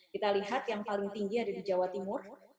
kita lihat yang paling tinggi ada di jawa timur